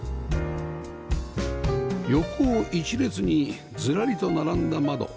横一列にずらりと並んだ窓